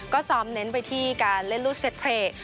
ก็ซ้อมเน้นไปที่การเล่นรูดเซ็ตเพลย์